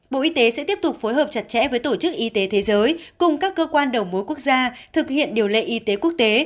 bộ y tế sẽ tiếp tục phối hợp chặt chẽ với tổ chức y tế thế giới cùng các cơ quan đầu mối quốc gia thực hiện điều lệ y tế quốc tế